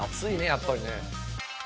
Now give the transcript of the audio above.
やっぱりね。